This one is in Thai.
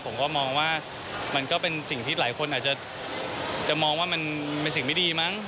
ผมก็มองว่ามันก็เป็นสิ่งที่หลายคนอาจจะมองว่ามันเป็นสิ่งไม่ดีมั้ง